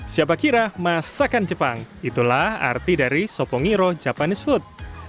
siapa kira masakan jepang itulah arti dari sopongiro japanese food